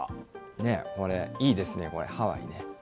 ねえ、これいいですね、これ、ハワイ、ね。